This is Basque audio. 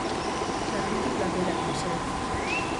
Garbitu platerak, mesedez.